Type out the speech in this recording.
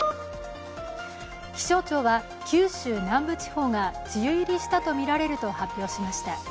気象庁は九州南部地方が梅雨入りしたとみられると発表しました。